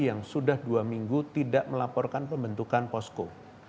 yang sudah dua minggu tidak melaporkan pembentukan posko